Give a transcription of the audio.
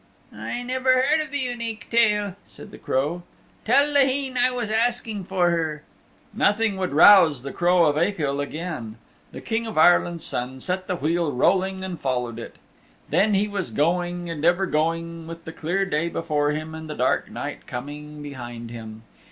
"I never heard of the Unique Tale," said the Crow. "Tell Laheen I was asking for her." Nothing would rouse the Crow of Achill again. The King of Ireland's Son set the wheel rolling and followed it. Then he was going and ever going with the clear day before him and the dark night coming behind him.